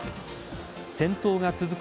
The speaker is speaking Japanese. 戦闘が続く